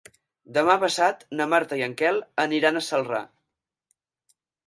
Demà passat na Marta i en Quel aniran a Celrà.